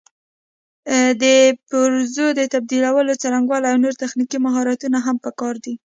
د پرزو د تبدیلولو څرنګوالي او نور تخنیکي مهارتونه هم پکار دي.